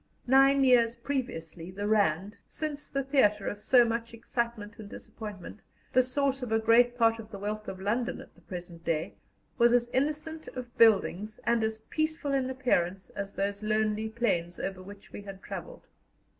Nine years previously the Rand since the theatre of so much excitement and disappointment the source of a great part of the wealth of London at the present day, was as innocent of buildings and as peaceful in appearance as those lonely plains over which we had travelled.